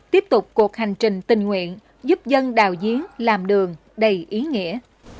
tiếp tục cuộc hành trình tình nguyện giúp dân đào giếng làm đường đầy ý nghĩa